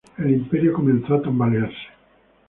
El imperio comenzó a tambalearse.